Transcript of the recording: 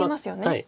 はい。